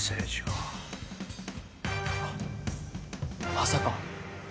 まさか。